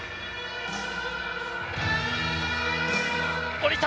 降りた。